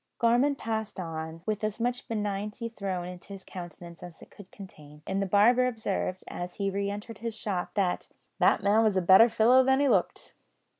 Gorman passed on, with as much benignity thrown into his countenance as it could contain; and the barber observed, as he re entered his shop, that, "that man was a better fellow than he looked."